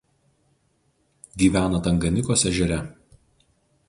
Gyvena Tanganikos ežere.